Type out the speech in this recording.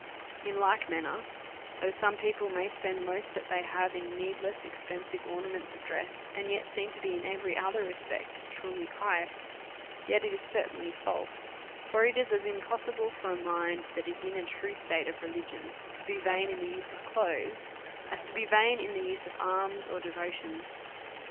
In like manner, though some people may spend most that they have in needless expensive ornaments of dress, and yet seem to be, in every other respect, truly pious, yet it is certahily false ; for it is as impos sible for a mind that is in a true state of religion to be vain in the use of clothes, as to be vain in the use of alms or devotions.